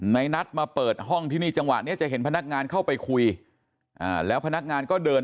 ในนัดมาเปิดห้องที่นี่จังหวะนี้จะเห็นพนักงานเข้าไปคุยแล้วพนักงานก็เดิน